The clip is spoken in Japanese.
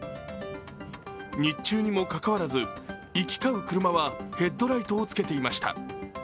日中にもかかわらず行き交う車はヘッドライトをつけていました。